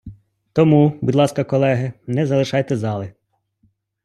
Тому, будь ласка, колеги, не залишайте зали!